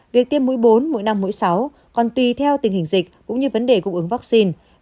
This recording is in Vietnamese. việc tiêm mũi bốn mỗi năm mũi sáu còn tùy theo tình hình dịch cũng như vấn đề cung ứng vaccine